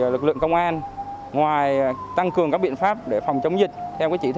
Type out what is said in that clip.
lực lượng công an ngoài tăng cường các biện pháp để phòng chống dịch